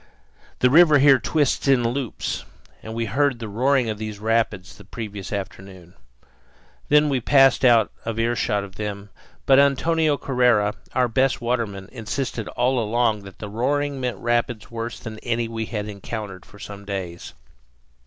The river here twists in loops, and we had heard the roaring of these rapids the previous afternoon. Then we passed out of earshot of them; but Antonio Correa, our best waterman, insisted all along that the roaring meant rapids worse than any we had encountered for some days.